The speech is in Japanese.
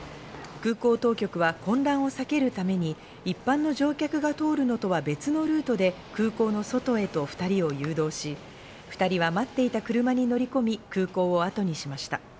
空港当局は混乱を避けるために一般の乗客が通るのとは別のルートで空港の外へと２人を誘導し、２人は待っていた車に乗り込み、空港を後にしました。